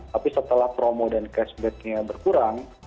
tapi setelah promo dan cashbacknya berkurang